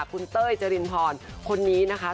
คุณเต้ยเจรินพรคนนี้นะคะ